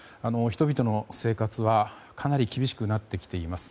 人々の生活はかなり厳しくなってきています。